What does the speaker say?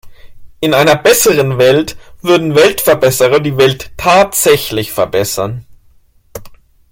In einer besseren Welt würden Weltverbesserer die Welt tatsächlich verbessern.